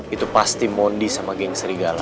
itu pasti mondi sama geng serigala